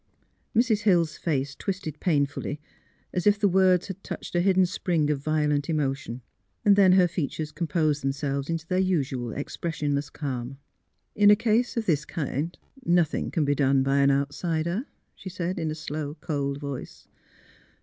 Mrs. Hill's face twisted painfully, as if the words had touched a hidden spring of violent emo 154 THE HEAET OF PHILURA tion. Then her features composed themselves into their usnal expressionless calm. '' In a case of this kind nothing can be done by an outsider, '' she said, in a slow, cold voice.